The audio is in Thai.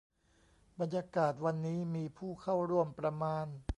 บรรยากาศวันนี้มีผู้เข้าร่วมประมาณ